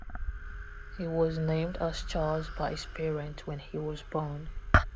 He was named as Charles by his parents when he was born.